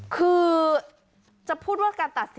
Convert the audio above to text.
คือจะพูดว่าการตัดสิน